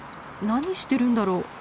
何してるんだろう？